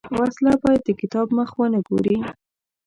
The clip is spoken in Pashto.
وسله باید د کتاب مخ ونه ګوري